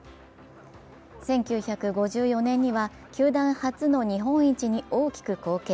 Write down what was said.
１９５４年には球団初の日本一に大きく貢献。